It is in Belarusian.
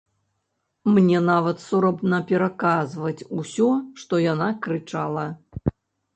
Мне нават сорамна пераказваць усё, што яна крычала.